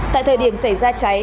tại thời điểm xảy ra cháy